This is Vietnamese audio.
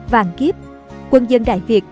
vàng kiếp quân dân đại việt